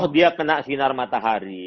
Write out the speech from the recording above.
dia kena sinar matahari